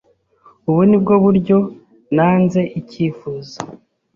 Ubu ni bwo buryo nanze icyifuzo.